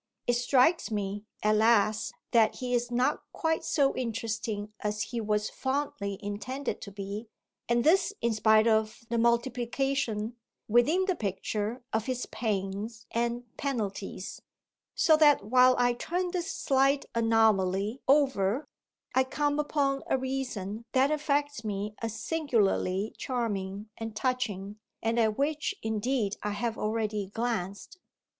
It strikes me, alas, that he is not quite so interesting as he was fondly intended to be, and this in spite of the multiplication, within the picture, of his pains and penalties; so that while I turn this slight anomaly over I come upon a reason that affects me as singularly charming and touching and at which indeed I have already glanced.